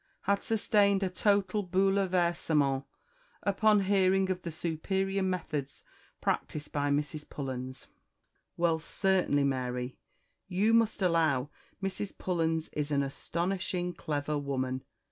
had sustained a total bouleversement, upon hearing of the superior methods practised by Mrs. Pullens. "Well, certainly, Mary, you must allow Mrs. Pullens is an astonishing clever woman!